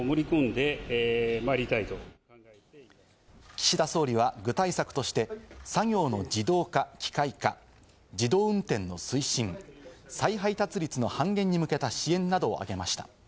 岸田総理は具体策として、作業の自動化・機械化、自動運転の推進、再配達率の半減に向けた支援などを挙げました。